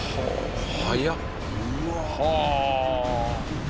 速っ！うわ！